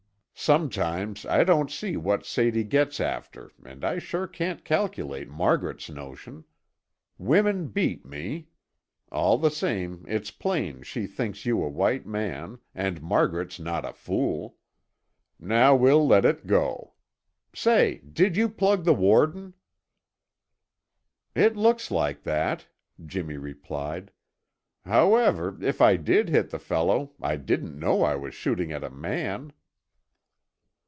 "Sometimes I don't see what Sadie gets after and I sure can't calculate Margaret's notion. Women beat me. All the same, it's plain she thinks you a white man, and Margaret's not a fool. Now we'll let it go. Say, did you plug the warden?" "It looks like that," Jimmy replied. "However, if I did hit the fellow, I didn't know I was shooting at a man."